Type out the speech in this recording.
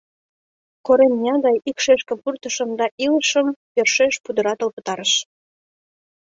Корем ия гай ик шешкым пуртышым да илышым йӧршеш пудыратыл пытарыш.